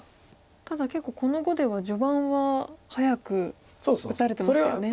ただ結構この碁では序盤は早く打たれてましたよね。